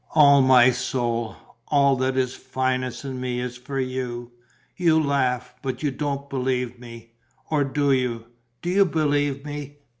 All my soul, all that is finest in me is for you. You laugh, but you don't believe me. Or do you? Do you believe me?"